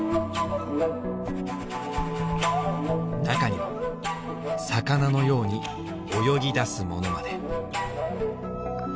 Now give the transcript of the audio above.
中には魚のように泳ぎだすものまで。